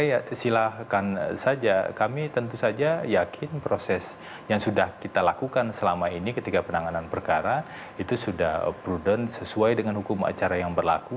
jadi silakan saja kami tentu saja yakin proses yang sudah kita lakukan selama ini ketika penanganan perkara itu sudah prudent sesuai dengan hukum acara yang berlaku